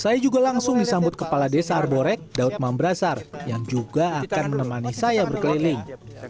saya juga langsung disambut kepala desa arborek daud mambrasar yang juga akan menemani saya berkeliling